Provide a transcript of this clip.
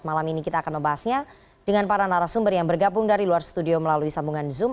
malam ini kita akan membahasnya dengan para narasumber yang bergabung dari luar studio melalui sambungan zoom